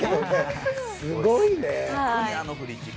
すごいね。